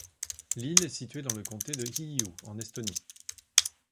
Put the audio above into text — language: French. L’île est située dans le comté de Hiiu en Estonie.